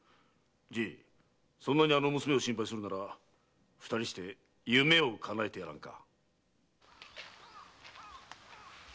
そんなにあの娘を心配するなら二人して夢をかなえてやらんか？